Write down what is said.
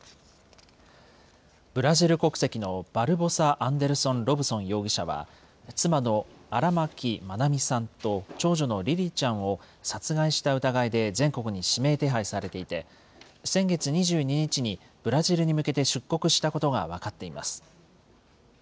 ブラジル国籍のバルボサ・アンデルソン・ロブソン容疑者は、妻の荒牧愛美さんと、長女のリリィちゃんを殺害した疑いで全国に指名手配されていて、先月２２日に、ブラジルに向けて出国したことが分かっています。